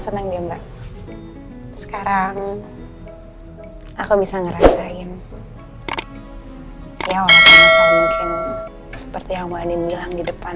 senang dia mbak sekarang aku bisa ngerasain ya orang tua mungkin seperti yang mbak adin bilang di depan